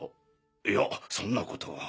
いやそんな事は。